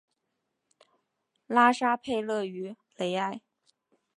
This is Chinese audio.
拉沙佩勒于雷埃。